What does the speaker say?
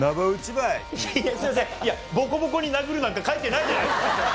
「ボコボコに殴る」なんて書いてないじゃないですか。